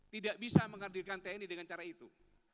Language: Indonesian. tidak bisa menghadirkan tni dengan cara itu